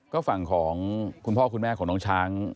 ก็ฝั่งของคุณพ่อคุณแม่ของน้องช้าง